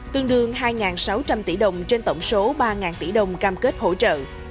tương đương hai sáu trăm linh tỷ đồng trên tổng số ba tỷ đồng cam kết hỗ trợ